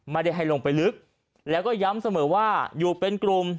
ไม่ได้ให้ลงไปลึกแล้วก็ย้ำเสมอว่าอยู่เป็นกลุ่ม